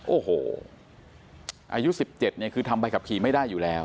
โอ้โหอายุ๑๗เนี่ยคือทำใบขับขี่ไม่ได้อยู่แล้ว